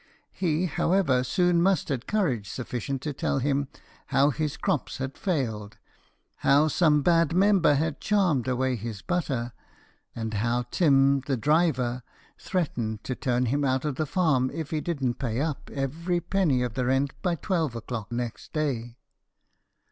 He, however, soon mustered courage sufficient to tell him how his crops had failed, how some bad member had charmed away his butter, and how Tim the Driver threatened to turn him out of the farm if he didn't pay up every penny of the rent by twelve o'clock next day.